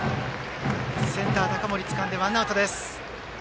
センター、高森つかんでワンアウトです。